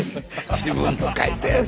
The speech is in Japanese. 自分の書いたやつ。